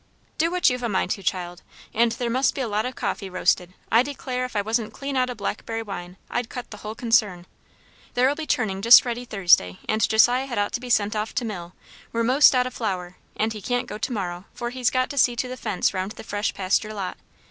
"Do what you've a mind to, child. And there must be a lot o' coffee roasted. I declare, if I wasn't clean out o' blackberry wine, I'd cut the whole concern. There'll be churning just ready Thursday; and Josiah had ought to be sent off to mill, we're 'most out o' flour, and he can't go to morrow, for he's got to see to the fence round the fresh pasture lot.